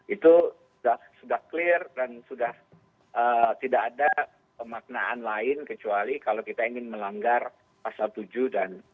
itu sudah clear dan sudah tidak ada pemaknaan lain kecuali kalau kita ingin melanggar pasal tujuh dan